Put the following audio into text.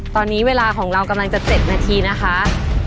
ตอนนี้เวลาของเรากำลังจะ๗นาทีนะคะ